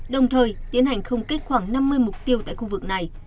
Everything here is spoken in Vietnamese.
đồng thời tiến hành không kích khoảng năm mươi mục tiêu tại khu vực này